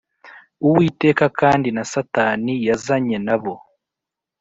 Uwiteka kandi na Satani yazanye na bo